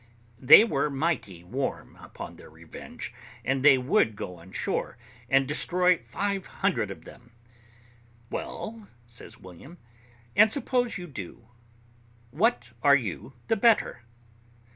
They were mighty warm upon their revenge, and they would go on shore, and destroy five hundred of them. "Well," says William, "and suppose you do, what are you the better?"